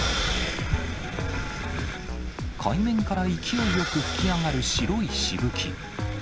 海面から勢いよく噴き上がる白いしぶき。